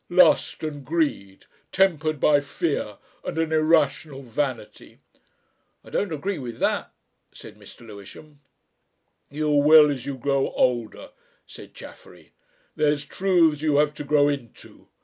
Lust and greed tempered by fear and an irrational vanity." "I don't agree with that," said Mr. Lewisham. "You will as you grow older," said Chaffery. "There's truths you have to grow into.